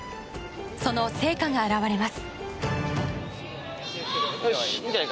その成果が表れます。